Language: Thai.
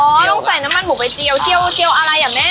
ที่ต้องใส่น้ำมันหมูกระเจียวเจียวอะไรอ่ะแม่